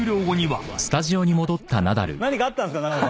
何かあったんですか？